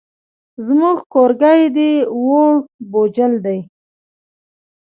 زموږ کورګی دی ووړ بوجل دی.